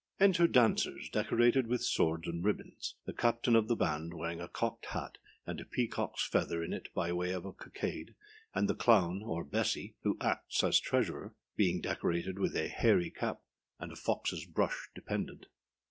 ] Enter Dancers, decorated with swords and ribbons; the CAPTAIN of the band wearing a cocked hat and a peacockâs feather in it by way of cockade, and the CLOWN, or âBESSY,â who acts as treasurer, being decorated with a hairy cap and a foxâs brush dependent.